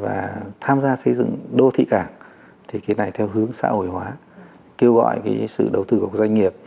và tham gia xây dựng đô thị cảng thì cái này theo hướng xã hội hóa kêu gọi cái sự đầu tư của doanh nghiệp